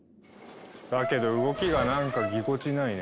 だけど動きがなんかぎこちないね。